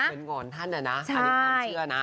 เหมือนหงอนท่านนะนะอันนี้ความเชื่อนะ